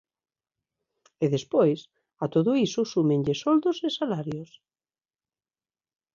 E despois, a todo iso súmenlle soldos e salarios.